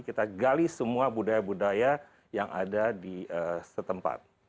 kita gali semua budaya budaya yang ada di setempat